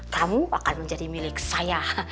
tamu akan menjadi milik saya